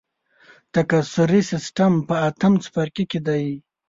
تکثري سیستم په اتم څپرکي کې دی.